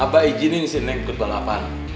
abah izinin sih neng ikut palapan